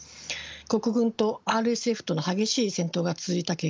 国軍とＲＳＦとの激しい戦闘が続いた結果